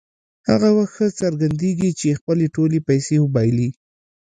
هغه وخت ښه څرګندېږي چې خپلې ټولې پیسې وبایلي.